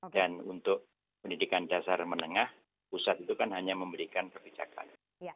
dan untuk pendidikan dasar menengah pusat itu kan hanya memberikan kebijakan